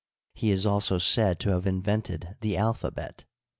He is also said to have invented the alphabet.